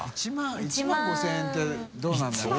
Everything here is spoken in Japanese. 万５０００円ってどうなんだろう？